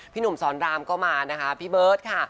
หนุ่มสอนรามก็มานะคะพี่เบิร์ตค่ะ